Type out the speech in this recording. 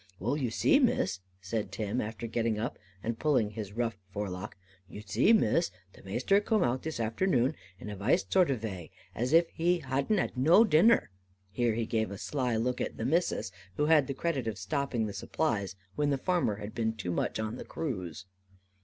"Wull, you zee, Miss," said Tim, after getting up, and pulling his rough forelock, "you zee, Miss, the Maister coom out this arternoon, in a weist zort of a wai, as if her hadn't had no dinner." Here he gave a sly look at "the Missus," who had the credit of stopping the supplies, when the farmer had been too much on the cruise.